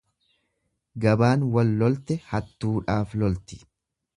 Gabaan wal lolte hattuudhaaf tolti.